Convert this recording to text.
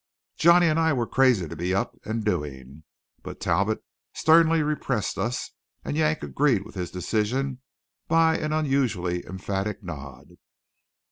Johnny and I were crazy to be up and doing, but Talbot sternly repressed us, and Yank agreed with his decision by an unusually emphatic nod.